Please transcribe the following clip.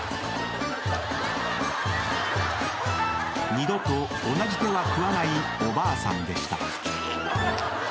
［二度と同じ手は食わないおばあさんでした］